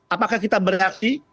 apakah kita beraksi